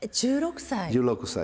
１６歳？